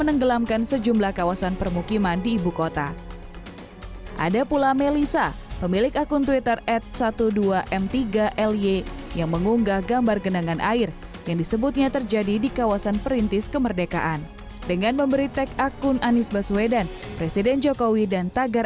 nanti anda silakan berdiskusi sebabnya